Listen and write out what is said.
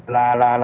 là là là